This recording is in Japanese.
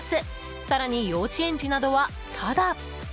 更に幼稚園児などは、ただ！